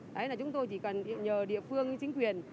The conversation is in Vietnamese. đấy là chúng tôi chỉ cần nhờ địa phương với chính quyền